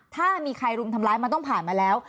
ถ้ามีใครรุมทำร้ายมันต้องผ่านมาแล้ว